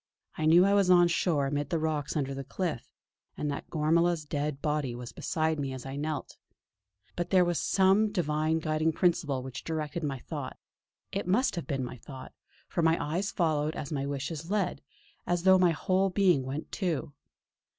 I knew I was on shore amid the rocks under the cliff, and that Gormala's dead body was beside me as I knelt. But there was some divine guiding principle which directed my thought it must have been my thought, for my eyes followed as my wishes led, as though my whole being went too.